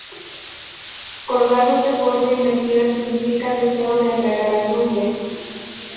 Colgados de forma invertida significa deseo de atraer a la lluvia.